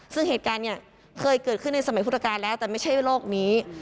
ซึ่งเหตุการณ์เนี่ยเคยเกิดขึ้นในสมัยพุทธกาลแล้วแต่ไม่ใช่โลกนี้